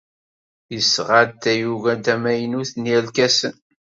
Yesɣa-d tayuga tamaynut n yerkasen.